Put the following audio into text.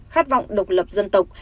khát vọng độc lập dân tộc